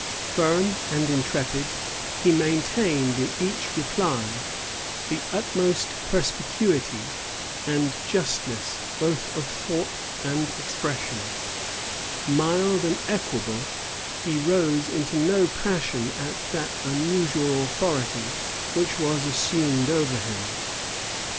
Firm and intrepid, he maintained, in each reply, the utmost perspicuity and justness both of thought and expression; mild and equable, he rose into no passion at that unusual authority which was assumed over him.